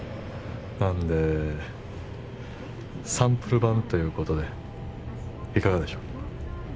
なんでサンプル版ということでいかがでしょう？